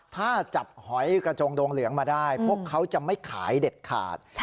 ถ้าจับหอยกระจงโดงเหลืองมาได้พวกเขาจะไม่ขายเด็ดขาด